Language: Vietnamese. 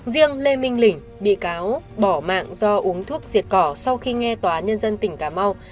riêng lê minh lĩnh bị cáo bỏ mạng do uống thuốc diệt cỏ sau khi nghe tòa nhân dân tỉnh cà mau